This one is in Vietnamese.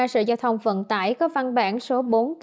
sở giao thông vận tải có văn bản số bốn nghìn tám trăm một mươi sáu